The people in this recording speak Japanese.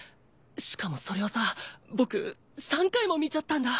しかもそれをさ僕３回も見ちゃったんだ。